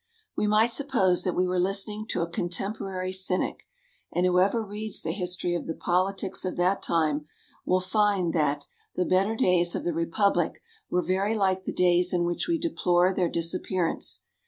We might suppose that we were listening to a contemporary cynic; and whoever reads the history of the politics of that time will find that "the better days of the republic" were very like the days in which we deplore their disappearance.